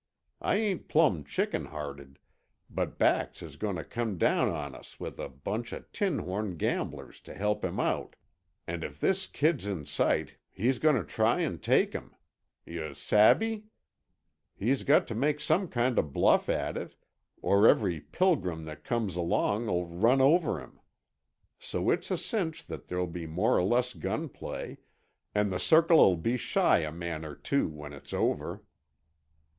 I ain't plumb chicken hearted, but Bax is goin' to come down on us with a bunch uh tin horn gamblers to help him out, and if this kid's in sight he's goin' to try and take him. Yuh sabe? He's got to make some kind of a bluff at it, or every pilgrim that comes along'll run over him. So it's a cinch that there'll be more or less gun play, and the Circle'll be shy a man or two when it's over."